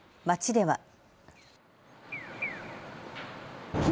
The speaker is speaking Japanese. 街では。